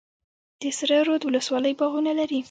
د سره رود ولسوالۍ باغونه لري